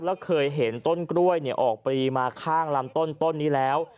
แล้วเคยเห็นต้นกล้วยออกปรีมาข้างลำต้นนี้แล้ว